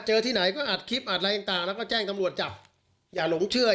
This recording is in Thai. ที่ไหนก็อัดคลิปอัดอะไรต่างแล้วก็แจ้งตำรวจจับอย่าหลงเชื่อ